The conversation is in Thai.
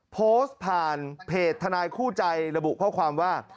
โพสต์ผ่านเพจทนายคู่ใจระบุข้อความว่า